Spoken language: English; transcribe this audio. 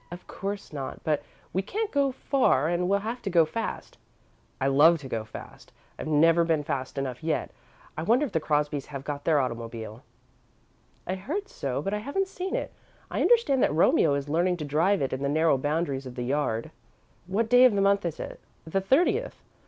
"Of course not, but we can't go far and we'll have to go fast." "I love to go fast. I've never been fast enough yet. I wonder if the Crosbys have got their automobile?" "I heard so, but I haven't seen it. I understand that Romeo is learning to drive it in the narrow boundaries of the yard." "What day of the month is it?" "The thirtieth.